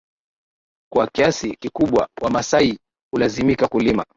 kwa kiasi kikubwa Wamaasai hulazimika kulima